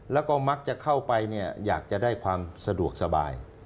แล้วก็มักจะเข้าไปเนี่ยอยากจะได้ความสะดวกสบาย